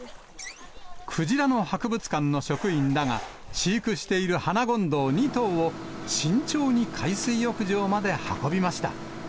くじらの博物館の職員らが、飼育しているハナゴンドウ２頭を、慎重に海水浴場まで運びました。